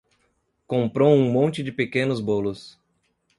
Comprou um monte de pequenos bolos